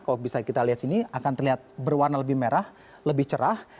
kalau bisa kita lihat sini akan terlihat berwarna lebih merah lebih cerah